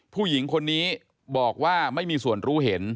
ผู้หญิงคนนี้บอกว่าไม่มีส่วนรู้เห็น